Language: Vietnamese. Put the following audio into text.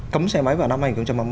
cấm xe máy vào năm hai nghìn ba mươi